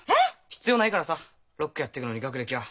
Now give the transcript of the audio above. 必要ないからさロックやってくのに学歴は。